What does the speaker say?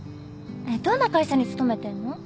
えっどんな会社に勤めてんの？